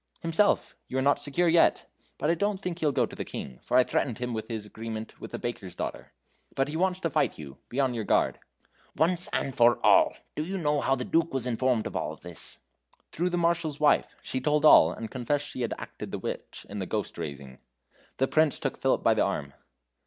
"Himself. You are not secure yet but I don't think he'll go to the King, for I threatened him with his agreement with the baker's daughter. But he wants to fight you; be on yoor guard." "Once for all do you know how the Duke was informed of all this?" "Through the Marshal's wife. She told all, and confessed she had acted the witch in the ghost raising." The Prince took Philip by the arm.